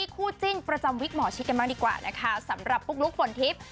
คู่จิ้นประจำวิกหมอชิดกันบ้างดีกว่านะคะสำหรับปุ๊กลุ๊กฝนทิพย์